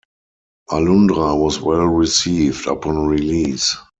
"Alundra" was well received upon release.